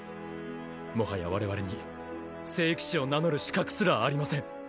もはや我々に聖騎士を名乗る資格すらありません。